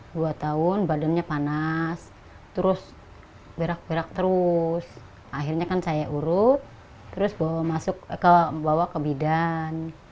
dua tahun badannya panas terus berak berak terus akhirnya kan saya urut terus bawa masuk ke bawa ke bidan